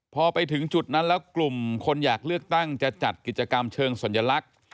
พอไปถึงจุดนั้นแล้วกลุ่มคนอยากเลือกตั้งจะจัดกิจกรรมเชิงสัญลักษณ์